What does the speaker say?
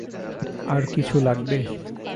আর কিছু লাগবে?